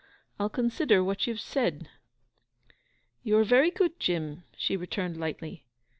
'I'll consider what you've said.' 'You are very good, Jim,' she returned lightly.